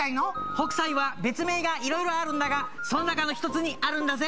北斎は別名が色々あるんだがその中の一つにあるんだぜ。